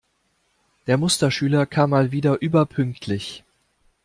Der Musterschüler kam mal wieder überpünktlich.